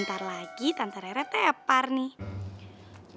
ntar lagi tante reretnya epar nih